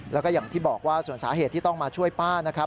แล้วก็อย่างที่บอกว่าส่วนสาเหตุที่ต้องมาช่วยป้านะครับ